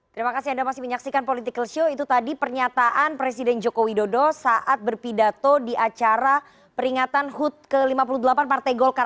terima kasih anda masih menyaksikan political show itu tadi pernyataan presiden joko widodo saat berpidato di acara peringatan hud ke lima puluh delapan partai golkar